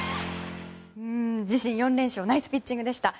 自身４連勝ナイスピッチングでした。